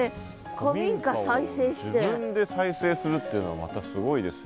古民家を自分で再生するっていうのはまたすごいですよ。